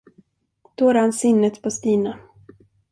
Då rann sinnet på Stina.